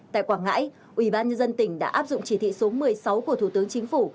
tại quảng ngãi ủy ban nhân dân tỉnh đã áp dụng chỉ thị số một mươi sáu của thủ tướng chính phủ